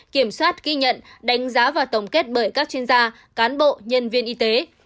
kiểm soát ghi nhận đánh giá và tổng kết bởi các chuyên gia cán bộ nhân viên y tế